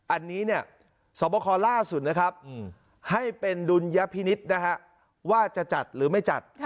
อันนี้เนี่ยสวบคอล่าสุดนะครับให้เป็นดุลยพินิษฐ์นะฮะว่าจะจัดหรือไม่จัด